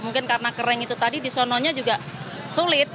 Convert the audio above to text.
mungkin karena kering itu tadi disononya juga sulit